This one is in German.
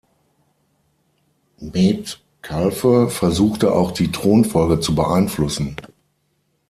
Metcalfe versuchte auch die Thronfolge zu beeinflussen.